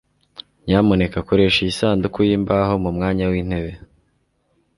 Nyamuneka koresha iyi sanduku yimbaho mu mwanya wintebe.